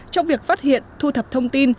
trong việc phát hiện thu thập thông tin